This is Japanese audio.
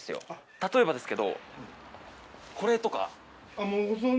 例えばですけどこれとか。